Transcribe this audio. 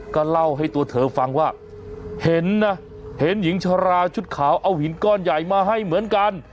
ก็เล่าให้ตัวเธอฟังว่าเห็นนะเห็นหญิงชราชุดขาวเอาหินก้อนใหญ่มาให้เหมือนกัน